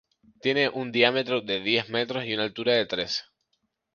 Tiene un diámetro de diez metros y una altura de trece.